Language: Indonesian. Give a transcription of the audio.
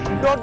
ini apaan tuh